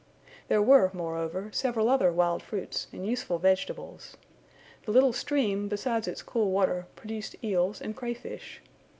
There were, moreover, several other wild fruits, and useful vegetables. The little stream, besides its cool water, produced eels, and cray fish.